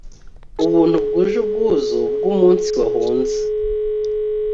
Ubuntu bwuje ubwuzu bwumunsi wahunze